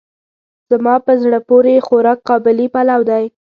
زما په زړه پورې خوراک قابلي پلو دی.